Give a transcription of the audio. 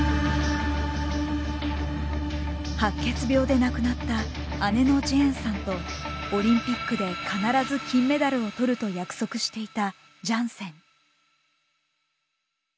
白血病で亡くなった姉のジェーンさんとオリンピックで必ず金メダルを取ると約束していたジャンセン。